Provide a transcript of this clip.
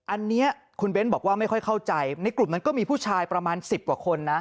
อันนี้คุณเบ้นบอกว่าไม่ค่อยเข้าใจในกลุ่มนั้นก็มีผู้ชายประมาณ๑๐กว่าคนนะ